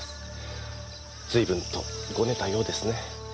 随分とごねたようですね。